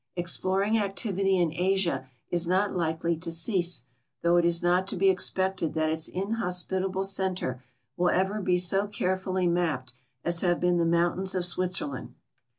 Exploring activity in Asia is not likely to cease, though it is not to be expected that its in hospitable center will ever be so carefully n)ai)p('d as have been the mountains of Switzerland.